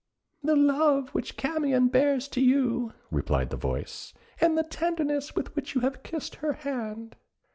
"The love which Camion bears to you," replied the voice, "and the tenderness with which you have kissed her hand."